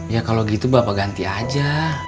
ya kalau gitu bapak ganti aja